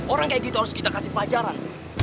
orang kayak gitu harus kita kasih pelajaran